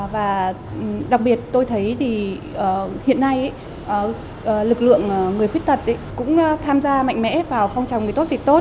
và đặc biệt tôi thấy thì hiện nay lực lượng người khuyết tật cũng tham gia mạnh mẽ vào phong trào người tốt việc tốt